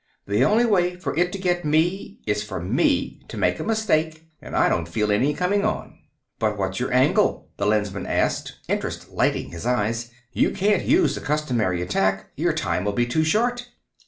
"The only way for it to get me is for me to make a mistake, and I don't feel any coming on." "But what's your angle?" the Lensman asked, interest lighting his eyes. "You can't use the customary attack; your time will be too short."